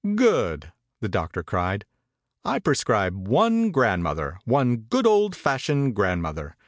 "Good!" the doctor cried. "I prescribe one grandmother, one good, old fashioned grand mother.